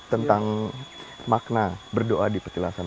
tentang makna berdoa di petilasan